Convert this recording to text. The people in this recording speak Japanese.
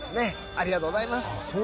ありがとうございます。